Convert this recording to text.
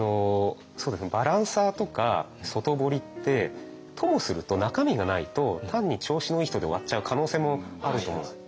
バランサーとか外堀ってともすると中身がないと単に調子のいい人で終わっちゃう可能性もあると思うんですよね。